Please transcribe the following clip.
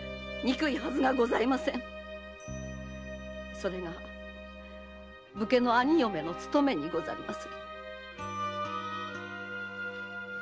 それが武家の兄嫁の務めにございます。